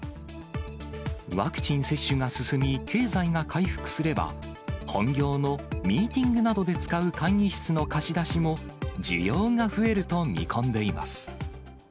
ワクチン接種が進み、経済が回復すれば、本業のミーティングなどで使う会議室の貸し出しも、需要が増えると見込んでいます。